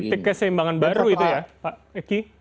titik keseimbangan baru itu ya pak eki